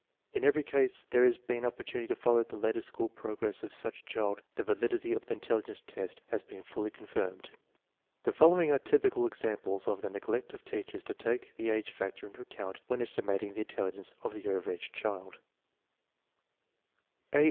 In every case where there has been opportunity to follow the later school progress of such a child the validity of the intelligence test has been fully confirmed. SOURCES OP ERROR IN JUDGING 25 The following are typical examples of the neglect of teach ers to take the age factor into account when estimating the intelligence of the over age child: A.